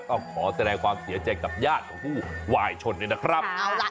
ก็ขอแสดงความเสียใจกับญาติของผู้ว่ายชนนะครับ